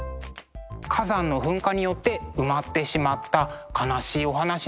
火山の噴火によって埋まってしまった悲しいお話なんですけど。